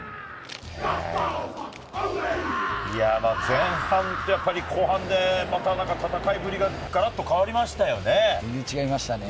前半と後半で、戦いぶりがガラッと変わりましたよね。